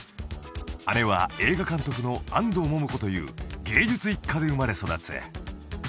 ［姉は映画監督の安藤桃子という芸術一家で生まれ育つ］